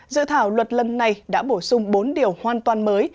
dự thảo luật lần này đã bổ sung bốn điều hoàn toàn mới